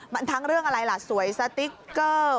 มันทั้งเรื่องอะไรล่ะสวยสติ๊กเกอร์